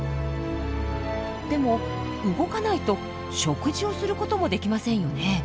でも動かないと食事をすることもできませんよね。